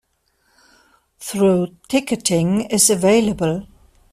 Through ticketing is available.